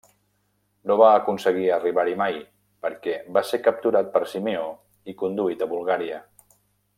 No va aconseguir arribar-hi mai, perquè va ser capturat per Simeó i conduït a Bulgària.